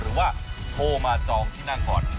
หรือว่าโทรมาจองที่นั่งก่อน